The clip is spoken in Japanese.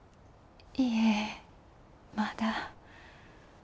いえまだ。